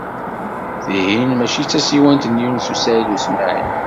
Tihin maci d tasiwant n Yunes u Saɛid u Smaɛil?